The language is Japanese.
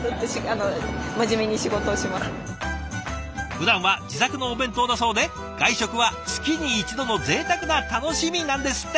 ふだんは自作のお弁当だそうで外食は月に一度のぜいたくな楽しみなんですって。